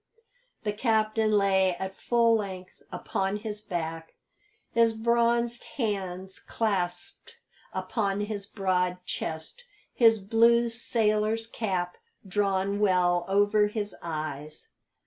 The captain lay at full length upon his back, his bronzed hands clasped upon his broad chest, his blue sailor's cap drawn well over his eyes.